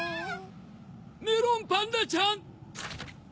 メロンパンナちゃん！